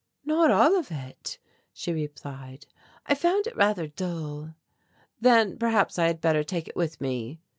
"Not all of it," she replied, "I found it rather dull." "Then perhaps I had better take it with me."